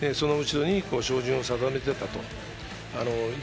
その後ろに照準を定めていたと。